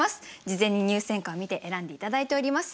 事前に入選歌を見て選んで頂いております。